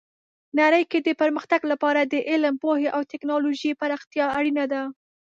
نړۍ کې د پرمختګ لپاره د علم، پوهې او ټیکنالوژۍ پراختیا اړینه ده.